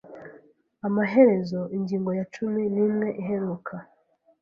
Amaherezo, ingingo ya cumi n’imwe iraheruka